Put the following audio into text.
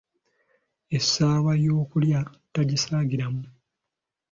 Essaawa y'okulya tagisaagiramu.